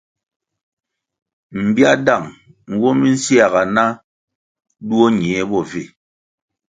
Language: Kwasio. Mbiáh dang nwo mi nséhga na duo ñie bo vi.